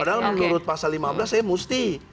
padahal menurut pasal lima belas saya mesti